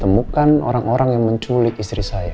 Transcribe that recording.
temukan orang orang yang menculik istri saya